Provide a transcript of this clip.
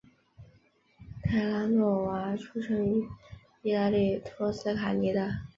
泰拉诺娃出生于义大利托斯卡尼的。